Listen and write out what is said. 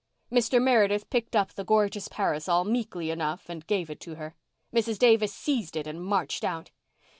Mr. Meredith picked up the gorgeous parasol meekly enough and gave it to her. Mrs. Davis seized it and marched out.